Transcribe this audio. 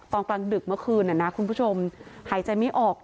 ตอนกลางดึกเมื่อคืนคุณผู้ชมหายใจไม่ออก